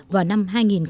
vào năm hai nghìn ba mươi